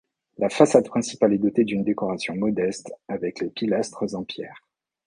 La façade principale est dotée d'une décoration modeste, avec les pilastres en pierre.